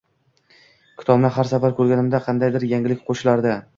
Kitobni har safar ko‘rganimda qandaydir yangilik qo‘shilardi